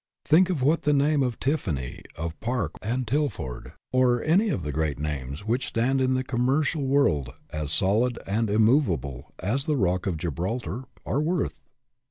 Think of what the name of Tiffany, of Park and Til ford, or any of the great names which stand in the commercial world as solid and immovable as the rock of Gibraltar, are worth